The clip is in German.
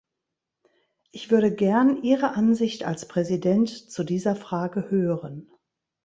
Ich würde gern Ihre Ansicht als Präsident zu dieser Frage hören.